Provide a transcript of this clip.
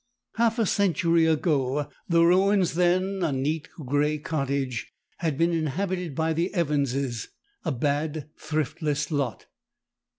Half a century ago the ruins then a neat grey cottage had been inhabited by the Evanses, a bad, thriftless 'lot.